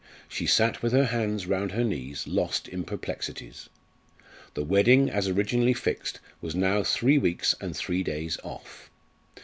She sat with her hands round her knees lost in perplexities. The wedding, as originally fixed, was now three weeks and three days off.